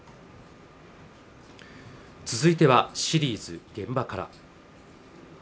続いてはシリーズ「現場から」